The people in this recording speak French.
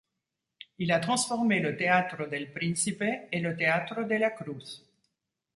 Il a transformé le Teatro del Príncipe et le Teatro de la Cruz.